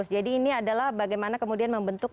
jadi ini adalah bagaimana kemudian membentuk